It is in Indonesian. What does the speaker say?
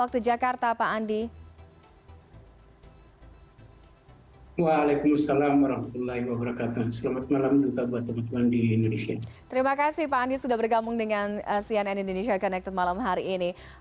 terima kasih pak anies sudah bergabung dengan cnn indonesia connected malam hari ini